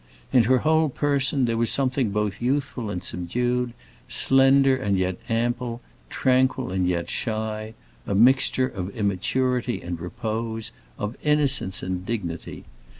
In her whole person there was something both youthful and subdued, slender and yet ample, tranquil yet shy; a mixture of immaturity and repose, of innocence and dignity.